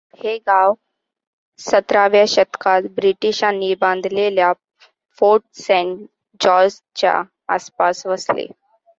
हे गाव सतराव्या शतकात ब्रिटिशांनी बांधलेल्या फोर्ट सेंट जॉर्जच्या आसपास वसले.